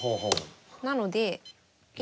なので今。